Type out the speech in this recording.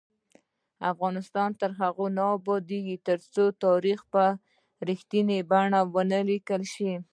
افغانستان تر هغو نه ابادیږي، ترڅو تاریخ په رښتینې بڼه ونه لیکل شي.